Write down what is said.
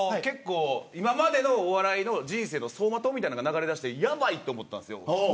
今までのお笑い人生の走馬灯みたいなのが流れ出してやばいと思ったんです。